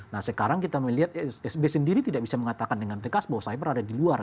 nah sekarang kita melihat sby sendiri tidak bisa mengatakan dengan tegas bahwa cyber ada di luar